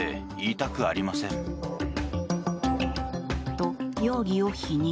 と、容疑を否認。